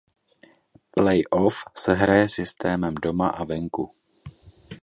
Playoff se hraje systémem doma a venku.